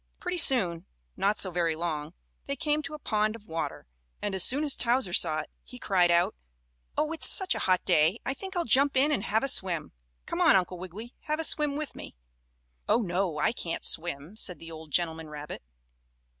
Pretty soon, not so very long, they came to a pond of water, and as soon as Towser saw it, he cried out: "Oh, it is such a hot day I think I'll jump in and have a swim. Come on, Uncle Wiggily, have a swim with me." "Oh, no, I can't swim," said the old gentleman rabbit.